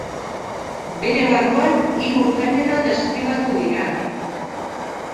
Bere barruan hiru genero deskribatu dira.